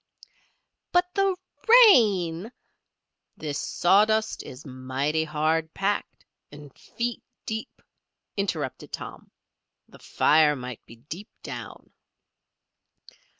"But the rain" "This sawdust is mighty hard packed, and feet deep," interrupted Tom. "The fire might be deep down."